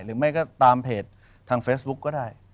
หรือไม่ก็ตามเพจทางเฟซบุ๊กก็ได้